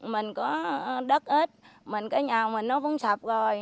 mình có đất ít mình có nhà mình nó cũng sập rồi